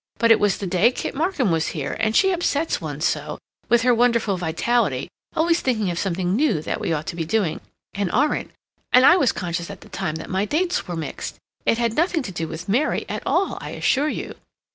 But it was the day Kit Markham was here, and she upsets one so—with her wonderful vitality, always thinking of something new that we ought to be doing and aren't—and I was conscious at the time that my dates were mixed. It had nothing to do with Mary at all, I assure you."